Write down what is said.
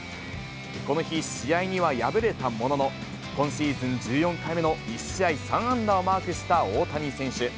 この日、試合には敗れたものの、今シーズン１４回目の１試合３安打をマークした大谷選手。